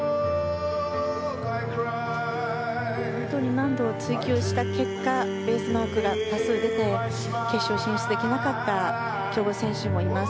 難度を追求した結果ベースマークが多数出て決勝進出できなかった強豪選手もいます。